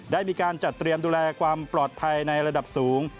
ได้มีการจัดเตรียมดูแลความปลอดภัยในระดับสูง